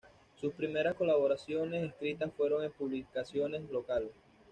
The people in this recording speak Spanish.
Sus primeras colaboraciones escritas fueron en publicaciones locales.